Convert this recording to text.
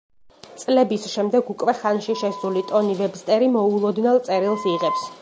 წლების შემდეგ უკვე ხანში შესული ტონი ვებსტერი მოულოდნელ წერილს იღებს.